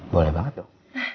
boleh banget yuk